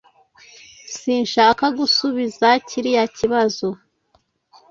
Sinshaka gusubiza kiriya kibazo.